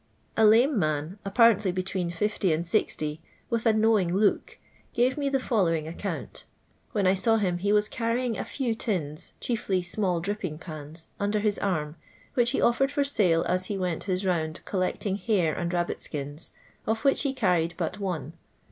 A lame man, apparently between 60 and 60, with a knowing look, ^avc me the following ac count. When I saw him ho was carrying a few tins, chiefly small dripping pirns, under his arm, which he offered for sale as he went his round collecting hare and rabbit skins, of which he carried but one.